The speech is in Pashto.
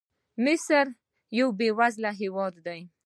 مصر نن یو بېوزله هېواد دی.